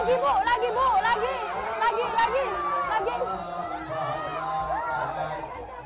nih lihat anak anak sampai jatuh jatuh untuk dapat uang